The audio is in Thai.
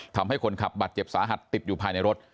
ทำให้คนขับบาดเจ็บสาหัสติดอยู่ภายในรถ